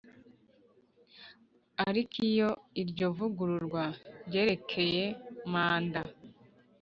Ariko iyo iryo vugururwa ryerekeye manda